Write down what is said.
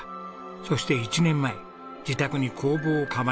そして１年前自宅に工房を構えたんです。